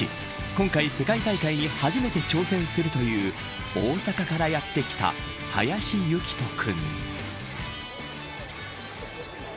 今回、世界大会に初めて挑戦するという大阪からやってきた林雪兎君。